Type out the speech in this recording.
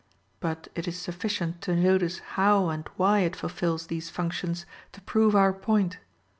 But it is sufficient to notice how and why it fulfils these functions to prove our point.